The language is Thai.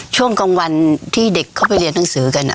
ช่วงกลางวันที่เด็กเขาไปเรียนหนังสือกัน